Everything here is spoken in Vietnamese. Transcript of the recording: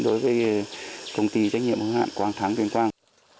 đối với công ty trách nhiệm hướng hạng quang thắng tuyên quang